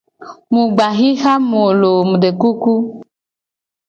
Mu gba xixa mu lo o mu de kuku.